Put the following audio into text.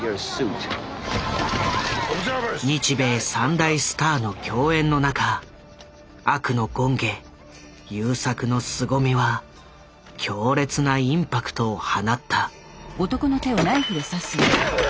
日米３大スターの競演の中悪の権化優作のすごみは強烈なインパクトを放った。